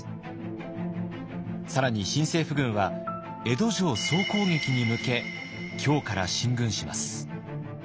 更に新政府軍は江戸城総攻撃に向け京から進軍します。